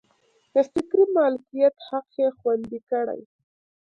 د فکري مالکیت حق یې خوندي کړي.